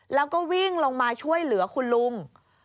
แล้วก็วิ่งลงมาช่วยเหลือคุณลุง